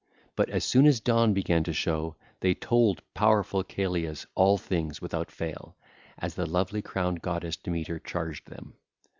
But, as soon as dawn began to show, they told powerful Celeus all things without fail, as the lovely crowned goddess Demeter charged them.